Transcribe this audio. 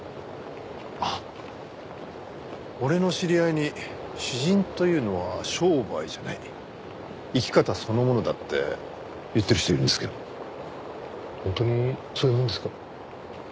あっ俺の知り合いに詩人というのは商売じゃない生き方そのものだって言ってる人いるんですけど本当にそういうものですか？